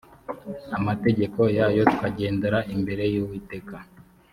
amategeko yayo tukagendera imbere y uwiteka